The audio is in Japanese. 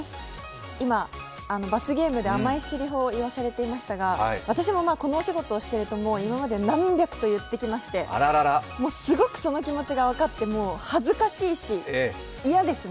罰ゲームで今、甘いせりふを言わされておりましたが私もこのお仕事をしていると今まで何百とやってきましてすごくその気持ちが分かって恥ずかしいし、嫌ですね。